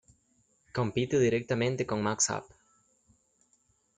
Compite directamente con Max Up.